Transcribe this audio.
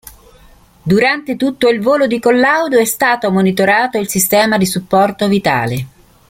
Durante tutto il volo di collaudo è stato monitorato il sistema di supporto vitale.